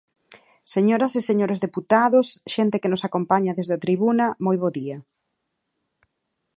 Señoras e señores deputados, xente que nos acompaña desde a tribuna, moi bo día.